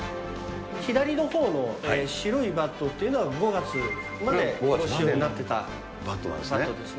左のほうの白いバットというのは５月まで使用になっていたバットなんですね。